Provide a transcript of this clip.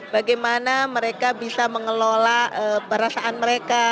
bagaimana mereka bisa mengelola perasaan mereka